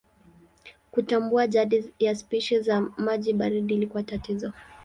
Kutambua jadi ya spishi za maji baridi ilikuwa tatizo.